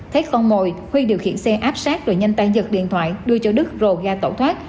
thấy con mồi huy điều khiển xe áp sát rồi nhanh tay giật điện thoại đưa cho đức rồ ga tẩu thoát